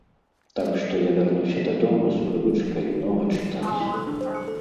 Так што я вярнуся дадому з прывычкай многа чытаць.